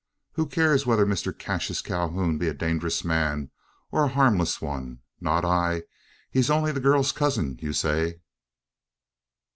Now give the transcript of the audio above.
"Who cares whether Mr Cassius Calhoun be a dangerous man, or a harmless one? Not I. He's only the girl's cousin, you say?"